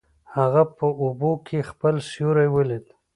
هغه په اوبو کې خپل سیوری ولید.